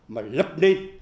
mà lập nên